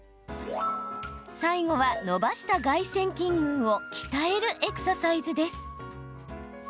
最後は、伸ばした外旋筋群を鍛えるエクササイズです。